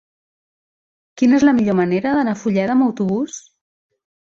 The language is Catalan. Quina és la millor manera d'anar a Fulleda amb autobús?